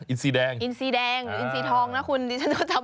อินซีแดงอินซีทอง